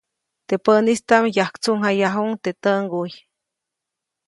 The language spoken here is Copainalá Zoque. Teʼ päʼnistaʼm, yajktsuʼŋjayajuʼuŋ teʼ täʼŋguy.